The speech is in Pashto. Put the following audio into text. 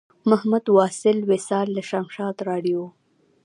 محمد واصل وصال له شمشاد راډیو.